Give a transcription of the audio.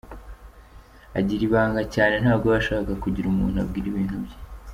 Agira ibanga cyane, ntabwo aba ashaka kugira umuntu abwira ibintu bye.